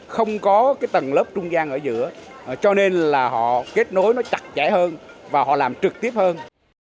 không có cái tầng lớp trung gian ở giữa cho nên là họ kết nối nó chặt chẽ hơn và họ làm trực tiếp hơn